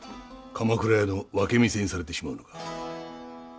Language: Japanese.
鎌倉屋の分け店にされてしまうのか。